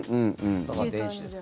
だから電子です。